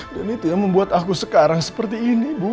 dan itu yang membuat aku sekarang seperti ini bu